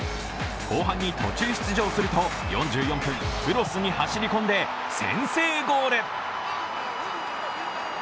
後半に途中出場すると４４分、クロスに走り込んで先制ゴール。